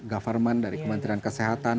government dari kementerian kesehatan